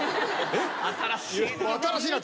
新しいな。